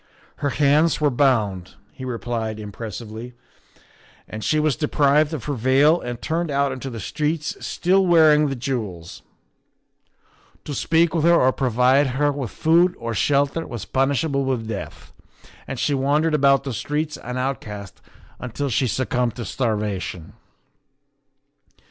" Her hands were bound," he replied impressively, " and she was deprived of her veil and turned out into the streets, still wearing the jewels. To speak with her THE SECRETARY OF STATE 135 or provide her with food or shelter was punishable with death, and she wandered about the streets an outcast until she succumbed to starvation.